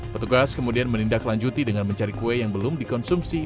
petugas kemudian menindaklanjuti dengan mencari kue yang belum dikonsumsi